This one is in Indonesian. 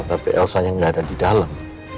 tapi elsa nya gak ada di dalam